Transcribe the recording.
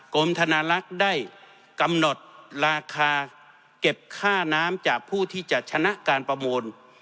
กรมธนาลักษณ์ได้กำหนดราคาเก็บค่าน้ำจากผู้ที่จะชนะการประมูล